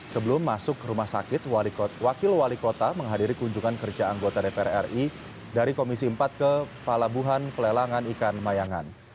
sebelum masuk ke rumah sakit wakil wali kota menghadiri kunjungan kerja anggota dpr ri dari komisi empat ke palabuhan pelelangan ikan mayangan